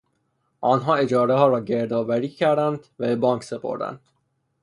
آنها اجارهها را گرد آوری کردند و به بانک سپردند.